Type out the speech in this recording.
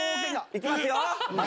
いきますよ！